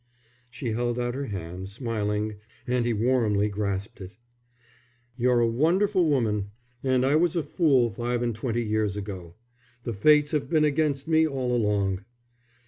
She held out her hand, smiling, and he warmly grasped it. "You're a wonderful woman, and I was a fool five and twenty years ago. The fates have been against me all along."